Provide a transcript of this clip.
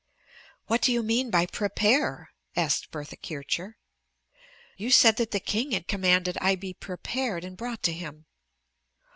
"What do you mean by prepare?" asked Bertha Kircher. "You said that the king had commanded I be prepared and brought to him."